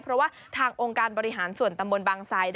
เพราะว่าทางองค์การบริหารส่วนตำบลบางไซด